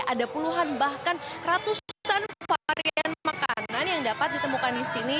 ada puluhan bahkan ratusan varian makanan yang dapat ditemukan di sini